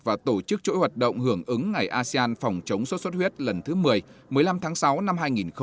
và tổ chức chỗ hoạt động hưởng ứng ngày asean phòng chống suốt suốt huyết lần thứ một mươi một mươi năm tháng sáu năm hai nghìn hai mươi